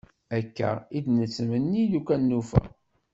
Akka i d-nettmenni lukan nufa.